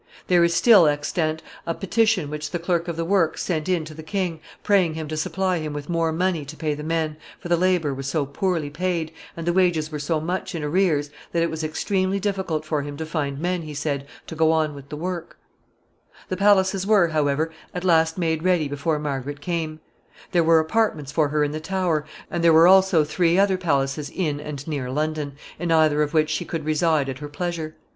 There is still extant a petition which the clerk of the works sent in to the king, praying him to supply him with more money to pay the men, for the labor was so poorly paid, and the wages were so much in arrears, that it was extremely difficult for him to find men, he said, to go on with the work. [Sidenote: The queen attaches herself to Cardinal Beaufort.] [Sidenote: Jealousy of Gloucester.] The palaces were, however, at last made ready before Margaret came. There were apartments for her in the Tower, and there were also three other palaces in and near London, in either of which she could reside at her pleasure.